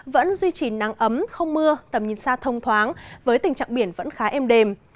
vẫn duy trì nắng ấm không mưa tầm nhìn xa thông thoáng với tình trạng biển vẫn khá êm đềm